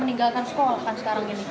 meninggalkan sekolah kan sekarang ini